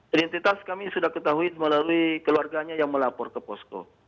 identitas kami sudah ketahui melalui keluarganya yang melapor ke posko